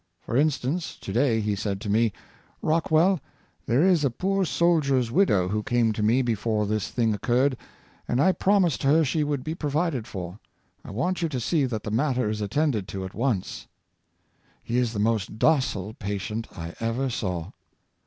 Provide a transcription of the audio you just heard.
For instance, to day he said to me, ' Rockwell, there is a poor sol dier's widow who came to me before this thing oc curred, and I promised her she should be provided for. I want you to see that the matter is attended to at once.' He is the most docile patient I ever saw."